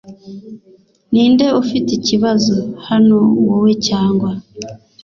Ninde ufite ikibazo hano, wowe cyangwa ?